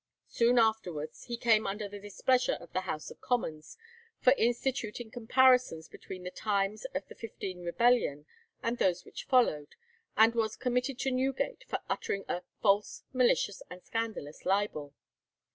Soon afterwards he came under the displeasure of the House of Commons for instituting comparisons between the times of the '15 rebellion and those which followed, and was committed to Newgate for uttering a "false, malicious, and scandalous libel."